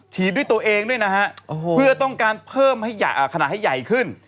ฉีดด้วยตัวเองด้วยนะฮะเพื่อต้องการเพิ่มให้ขนาดให้ใหญ่ขึ้น